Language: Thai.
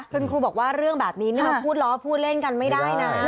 คุณครูบอกว่าเรื่องแบบนี้นี่มาพูดล้อพูดเล่นกันไม่ได้นะ